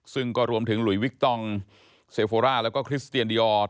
ซึ่งก็รวมถึงหลุยวิกตองเซโฟร่าแล้วก็คริสเตียนดีออร์